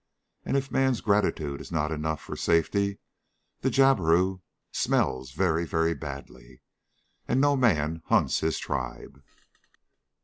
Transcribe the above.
And if man's gratitude is not enough for safety, the jabiru smells very, very badly, and no man hunts his tribe.